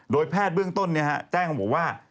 แพทย์เบื้องต้นแจ้งบอกว่า